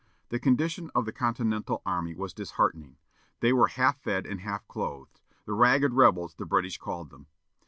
The condition of the Continental Army was disheartening. They were half fed and half clothed; the "ragged rebels," the British called them.